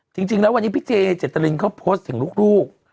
จริงแล้ววันนี้พี่เจเจตรินเขาโพสต์ถึงลูก